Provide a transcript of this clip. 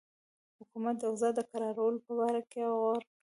حکومت د اوضاع د کرارولو په باره کې غور کوي.